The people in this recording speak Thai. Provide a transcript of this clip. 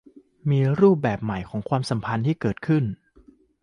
มีรูปแบบใหม่ของความสัมพันธ์เกิดขึ้น